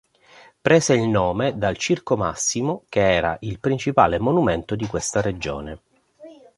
Prese il nome dal Circo Massimo, che era il principale monumento di questa regione.